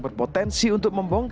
berpotensi untuk membongkak